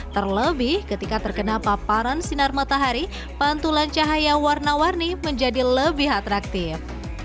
terlebih ketika terkena paparan sinar matahari pantulan cahaya warna warni menjadi lebih atraktif